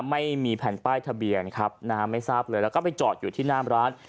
ไม่มีแผ่นป้ายทะเบียนครับนะฮะไม่ทราบเลยแล้วก็ไปจอดอยู่ที่หน้าร้าน